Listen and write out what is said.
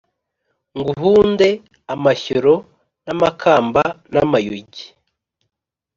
Nguhunde amashyoro n’amakamba, namayugi